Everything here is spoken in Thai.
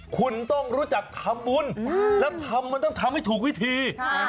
คุณต้องรู้จักทำบุญแล้วทำมันต้องทำให้ถูกวิธี